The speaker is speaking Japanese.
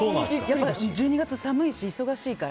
１２月寒いし、忙しいから。